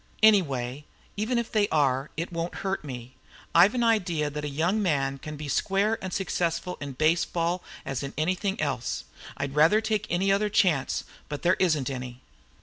Anyway, even if they are, it won't hurt me. I've an idea that a young man can be square and successful in baseball as in anything else. I'd rather take any other chance, but there isn't any."